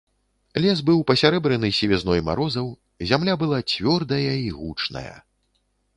Лес быў пасярэбраны сівізной марозаў, зямля была цвёрдая і гучная.